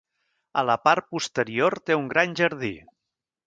A la part posterior té un gran jardí.